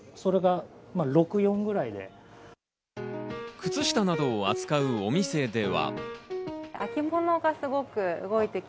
靴下などを扱うお店では。